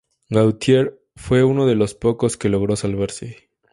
Gautier fue uno de los pocos que logró salvarse.